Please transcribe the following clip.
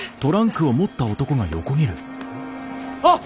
あっ！